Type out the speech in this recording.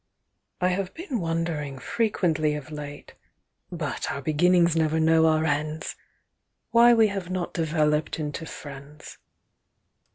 "I have been wondering frequently of late (But our beginnings never know our ends!) Why we have not developed into friends."